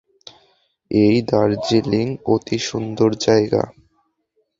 এই দার্জিলিঙ অতি সুন্দর জায়গা।